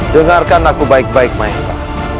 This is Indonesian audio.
dengarkan aku baik baik maesa